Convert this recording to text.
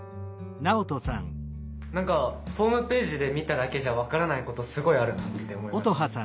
何かホームページで見ただけじゃ分からないことすごいあるなって思いました。